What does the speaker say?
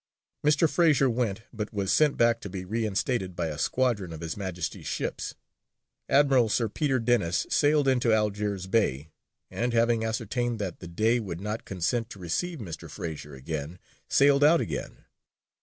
Mr. Fraser went, but was sent back to be reinstated by a squadron of His Majesty's ships. Admiral Sir Peter Denis sailed into Algiers Bay, and having ascertained that the Dey would not consent to receive Mr. Fraser again, sailed out again.